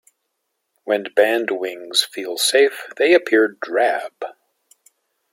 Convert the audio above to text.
When bandwings feel safe, they appear drab.